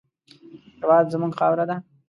هېواد زموږ خاوره ده